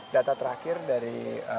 data terakhir dari